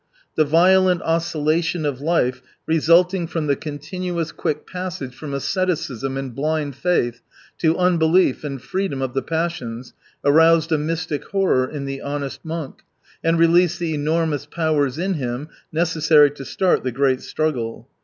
The violent oscillation of life resulting from the continuous quick passage from asceticism and blind faith to unbelief and freedom of the passions aroused a mystic horror in the honest monk and released the enormous powers in him necessary to start the great struggle.